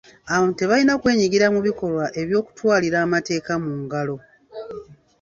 Abantu tebalina kwenyigira mu bikolwa eby'okutwalira amateeka mu ngalo.